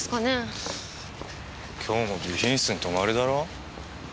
今日も備品室に泊まりだろ。